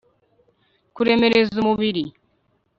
Kuremereza Umubiri